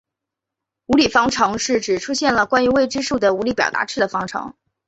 无理方程是指出现了关于未知数的无理表达式的方程。